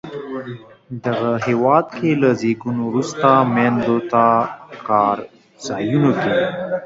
دغه هېواد کې له زیږون وروسته میندو ته کار ځایونو کې